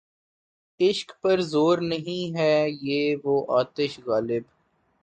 عشق پر زور نہیں، ہے یہ وہ آتش غالب